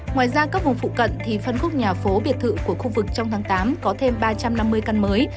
ngoài ra các vùng phụ cận thì phân khúc nhà phố biệt thự của khu vực trong tháng tám có thêm ba trăm năm mươi căn mới